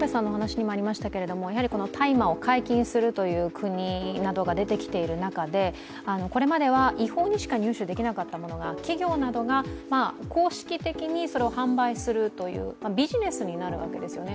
この大麻を解禁するという国などが出てきている中でこれまでは違法にしか入手できなかったものが企業などが公式的にそれを販売するというビジネスになるわけですよね。